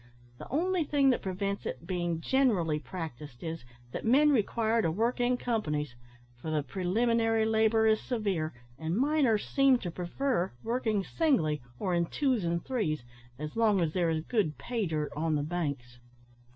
The only thing that prevents it being generally practised is, that men require to work in companies, for the preliminary labour is severe, and miners seem to prefer working singly, or in twos and threes, as long as there is good `pay dirt' on the banks."